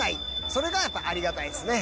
それがやっぱありがたいですね。